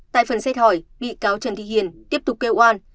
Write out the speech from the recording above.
tại phần xét hỏi bị cáo trần thị hiền tiếp tục kêu oan